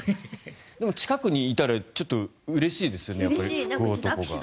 でも、近くにいたらうれしいですよね、福男が。